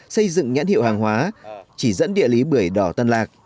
xây dựng nhãn hiệu hàng hóa chỉ dẫn địa lý bưởi đỏ tân lạc